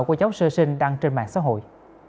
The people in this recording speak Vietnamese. của cháu sơ sinh đăng trên mạng xã hội